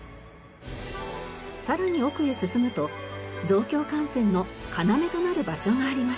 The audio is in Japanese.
さらに奥へ進むと増強幹線の要となる場所がありました。